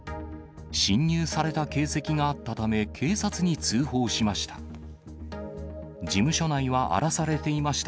侵入された形跡があったため、警察に通報しました。